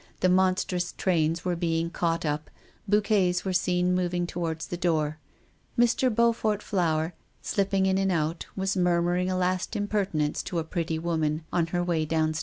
The monstrous trains were being caught up, bouquets were seen moving toward the door. The pale faced boy, slip ping in and out, was murmuring a last impertinence to a pretty woman on her way downstairs.